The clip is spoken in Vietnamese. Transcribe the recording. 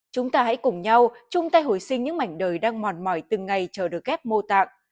chúng ta hãy cùng nhau chung tay hồi sinh những mảnh đời đang mòn mỏi từng ngày chờ được ghép mô tạng